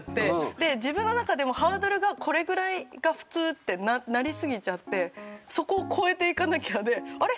で自分の中でもハードルがこれぐらいが普通ってなりすぎちゃってそこを超えていかなきゃであれ？